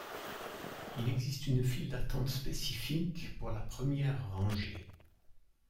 Il existe une file d'attente spécifique pour la première rangée.